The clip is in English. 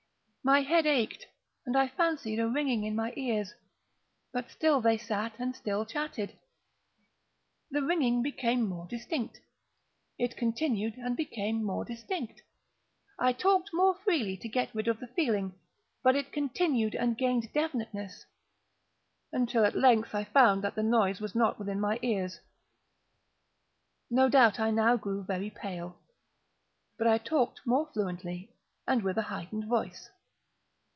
My head ached, and I fancied a ringing in my ears: but still they sat and still chatted. The ringing became more distinct:—it continued and became more distinct: I talked more freely to get rid of the feeling: but it continued and gained definiteness—until, at length, I found that the noise was not within my ears. No doubt I now grew very pale;—but I talked more fluently, and with a heightened voice.